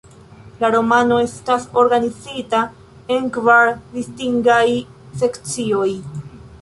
La romano estas organizita en kvar distingaj sekcioj.